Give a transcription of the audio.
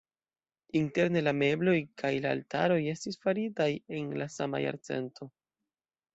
Interne la mebloj kaj la altaroj estis faritaj en la sama jarcento.